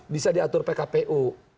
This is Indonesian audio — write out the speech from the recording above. bisa diatur pkpu